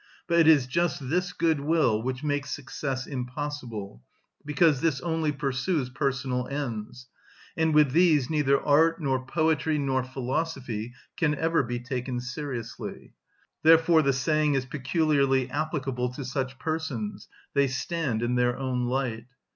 But it is just this good will which makes success impossible; because this only pursues personal ends, and with these neither art nor poetry nor philosophy can ever be taken seriously. Therefore the saying is peculiarly applicable to such persons: "They stand in their own light."